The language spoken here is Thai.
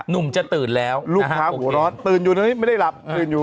หนุ่มจะตื่นแล้วโอเคตื่นอยู่ไม่ได้หลับตื่นอยู่